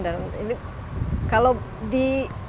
dan ini kalau di